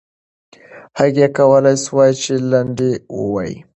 هغې کولای سوای چې لنډۍ ووایي.